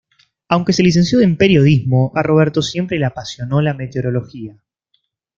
Aunque se licenció en periodismo, a Roberto siempre le apasionó la meteorología.